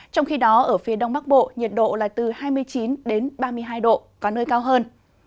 trong khi đó ở phía đông bắc bộ nhiệt độ là từ hai mươi chín đến ba mươi hai độ có nơi cao hơn